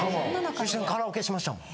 一緒にカラオケしましたもん。